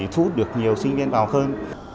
thu hút được nhiều sinh viên vào hơn